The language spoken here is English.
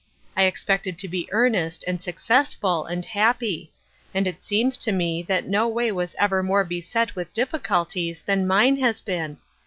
I expected to be earnest, and successful, and happy ; and it seems to me that no way was ever more beset with difficul ties than mine has been.